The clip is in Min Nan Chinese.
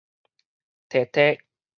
宅宅